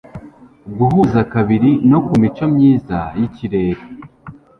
guhuza kabiri no kumico myiza yikirere